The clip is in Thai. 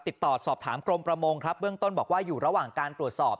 ติดต่อสอบถามกรมประมงครับเบื้องต้นบอกว่าอยู่ระหว่างการตรวจสอบ